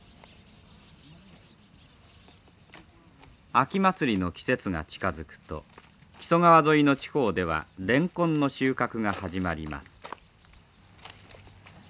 秋祭りの季節が近づくと木曽川沿いの地方ではレンコンの収穫が始まります。